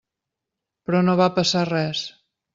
Però no va passar res.